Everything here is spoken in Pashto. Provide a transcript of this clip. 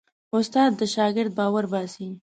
استاد د شاګرد باور باسي.